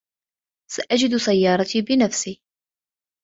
سأجد سيارتي بنفسي.